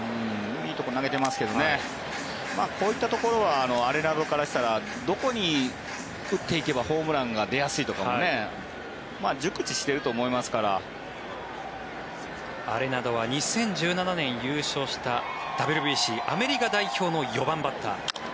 いいところ投げてますけどこういったところはアレナドからしたらどこから打っていけばホームランが出やすいとか熟知していると思いますからアレナドは２０１７年優勝したＷＢＣ、アメリカ代表の４番バッター。